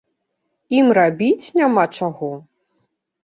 Ім рабіць няма чаго?